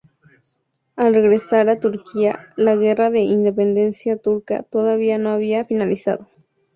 Al regresar a Turquía, la Guerra de Independencia Turca todavía no había finalizado.